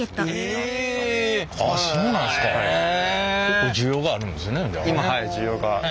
結構需要があるんですねじゃあ。